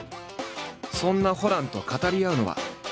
そんなホランと語り合うのは。